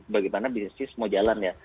bagaimana bisnis mau jalan ya